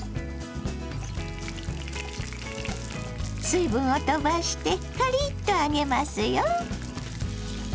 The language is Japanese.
水分を飛ばしてカリッと揚げますよ。